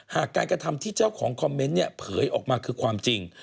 การกระทำที่เจ้าของคอมเมนต์เนี่ยเผยออกมาคือความจริง